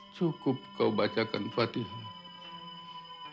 cukup kau bacakan fatihah